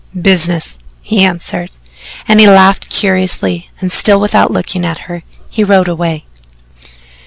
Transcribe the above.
"Business," he answered, and he laughed curiously and, still without looking at her, rode away.